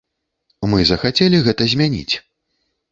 Мы захацелі гэта змяніць.